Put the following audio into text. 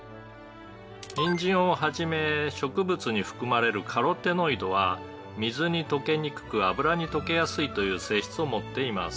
「ニンジンを始め植物に含まれるカロテノイドは水に溶けにくく油に溶けやすいという性質を持っています」